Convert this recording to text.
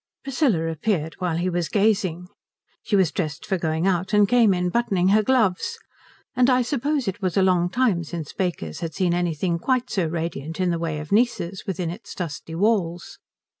Priscilla appeared while he was gazing. She was dressed for going out and came in buttoning her gloves, and I suppose it was a long time since Baker's had seen anything quite so radiant in the way of nieces within its dusty walls.